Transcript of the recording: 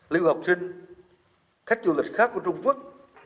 lưu học sinh khách du lịch khác của trung quốc